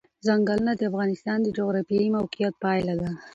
ځنګلونه د افغانستان د جغرافیایي موقیعت پایله ده.